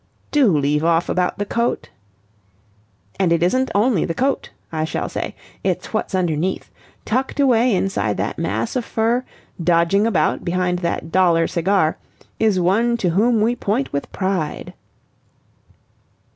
"Do leave off about the coat!" "'And it isn't only the coat,' I shall say. 'It's what's underneath. Tucked away inside that mass of fur, dodging about behind that dollar cigar, is one to whom we point with pride...